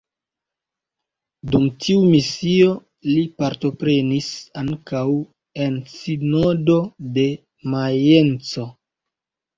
Dum tiu misio li partoprenis ankaŭ en sinodo de Majenco.